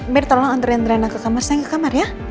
mir tolong anturin rina ke kamar saya yang ke kamar ya